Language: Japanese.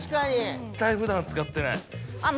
絶対普段使ってない。